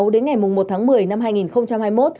đến ngày một tháng một mươi năm hai nghìn hai mươi một